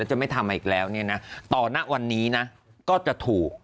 แล้วจะไม่ทำอีกแล้วเนี่ยนะต่อหน้าวันนี้นะก็จะถูก